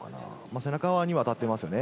背中に当たっていますよね。